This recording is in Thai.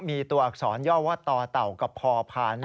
มีตัวอักษรย่อว่าต่อเต่ากับพอพาน